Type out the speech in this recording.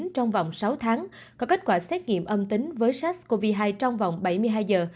trong vòng sáu tháng có kết quả xét nghiệm âm tính với sars cov hai trong vòng bảy mươi hai giờ